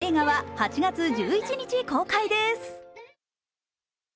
映画は８月１１日、公開です。